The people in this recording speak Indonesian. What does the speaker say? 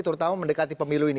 terutama mendekati pemilu ini